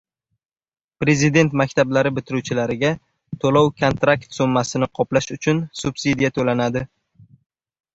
Prezident maktablari bitiruvchilariga to‘lov-kontrakt summasini qoplash uchun subsidiya to‘lanadi